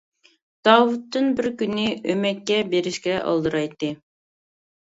داۋۇتتىن بىركۈنى ئۆمەككە بېرىشكە ئالدىرايتتى.